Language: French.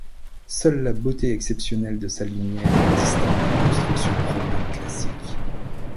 Seule la beauté exceptionnelle de sa lumière la distingue des constructions romanes classiques.